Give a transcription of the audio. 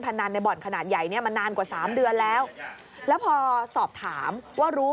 นันในบ่อนขนาดใหญ่เนี่ยมานานกว่าสามเดือนแล้วแล้วพอสอบถามว่ารู้